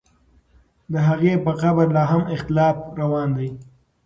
د هغې په قبر لا هم اختلاف روان دی.